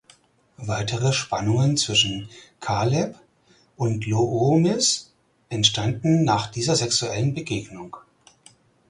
Weitere Spannungen zwischen Caleb und Loomis entstehen nach dieser sexuellen Begegnung.